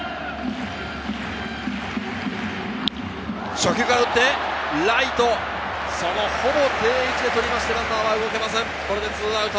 初球から打ってライト、そのほぼ定位置で捕りまして、ランナーは動けません、２アウト。